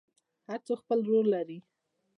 هر څوک خپل رول لري